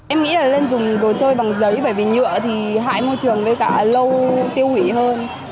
em nghĩ là lên dùng đồ chơi bằng giấy bởi vì nhựa thì hại môi trường với cả lâu tiêu hủy hơn